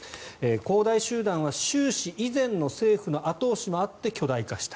恒大集団は習氏以前の政府の後押しもあって巨大化した。